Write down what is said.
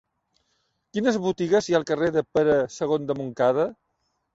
Quines botigues hi ha al carrer de Pere II de Montcada?